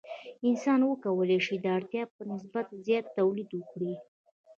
انسان وکولی شوای د اړتیا په نسبت زیات تولید وکړي.